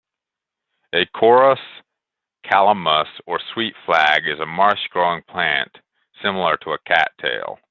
"Acorus calamus" or Sweet Flag is a marsh-growing plant similar to a cat-tail.